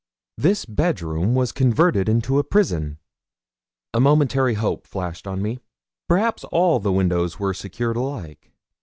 This bedroom was converted into a prison. A momentary hope flashed on me perhaps all the windows were secured alike!